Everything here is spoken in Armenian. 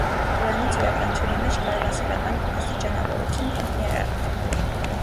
Դրանցից յուրաքանչյուրի մեջ կար վասալական աստիճանավորություն կամ հիերարխիա։